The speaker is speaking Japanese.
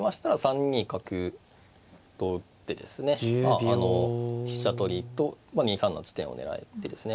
まああの飛車取りと２三の地点を狙える手ですね。